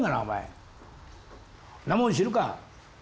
んなもん知るか！